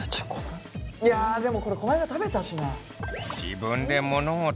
いやでもこれこの間食べたしな。